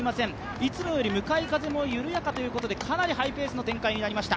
いつもより向かい風も緩やかということでかなりハイペースな展開となりました。